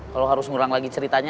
kalau harus ngurang lagi ceritanya